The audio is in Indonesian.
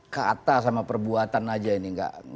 kata sama perbuatan aja ini